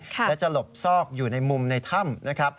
และจะหลบซอกอยู่ในมุมในถ้ำ